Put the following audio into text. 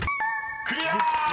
［クリア！］